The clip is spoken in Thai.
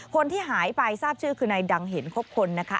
คนที่หายไปทราบชื่อคือนายดังเห็นครบคนนะคะ